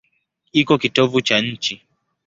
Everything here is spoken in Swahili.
Iko kitovu cha nchi.